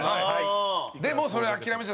でも、それ諦めちゃ。